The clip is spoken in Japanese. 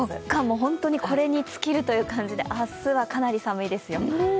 本当にこれに尽きるという感じで、明日はかなり寒いですよ。